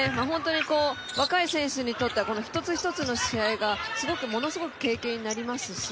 若い選手にとっては１つ１つの試合がものすごく経験になりますし